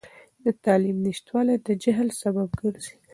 د تعلیم نشتوالی د جهل سبب ګرځي.